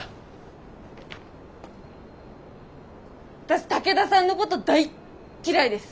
私武田さんのこと大っ嫌いです。